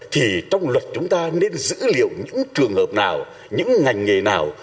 thì trong luật chúng ta nên dữ liệu những trường hợp nào những ngành nghề nào